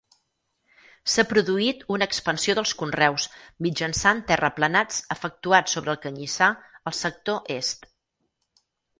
S'ha produït una expansió dels conreus, mitjançant terraplenats efectuats sobre el canyissar, al sector est.